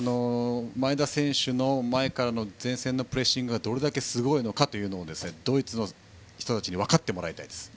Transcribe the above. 前田選手の前線からのプレッシングがどれだけすごいのかというのをドイツの人たちに分かってもらいたい。